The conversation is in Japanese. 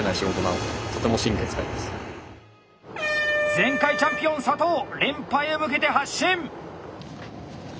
前回チャンピオン佐藤連覇へ向けて発進！